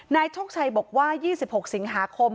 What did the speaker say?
นายโชคชัยบอกว่า๒๖สิงหาคม